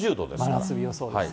真夏日予想です。